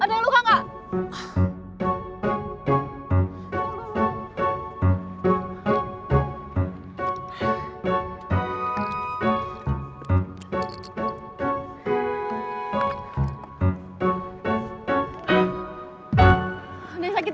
ada luka gak